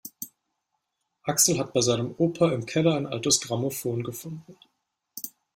Axel hat bei seinem Opa im Keller ein altes Grammophon gefunden.